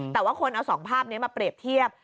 แต่ว่าคนเอา๒ภาพนี้มาเปรียบเทียบ